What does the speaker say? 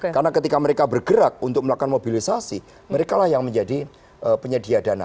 karena ketika mereka bergerak untuk melakukan mobilisasi mereka lah yang menjadi penyedia dana